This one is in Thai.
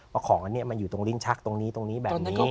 ว่าของอันนี้มันอยู่ตรงริ้นชักตรงนี้ตรงนี้แบบนี้